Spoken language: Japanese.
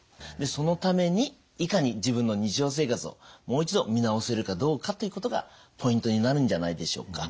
そのためにいかに自分の日常生活をもう一度見直せるかどうかということがポイントになるんじゃないでしょうか。